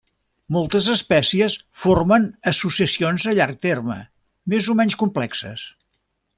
Moltes espècies formen associacions a llarg terme, més o menys complexes.